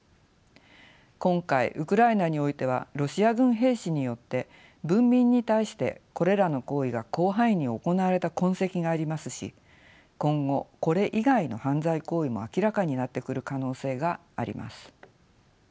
今回ウクライナにおいてはロシア軍兵士によって文民に対してこれらの行為が広範囲に行われた痕跡がありますし今後これ以外の犯罪行為も明らかになってくる可能性があります。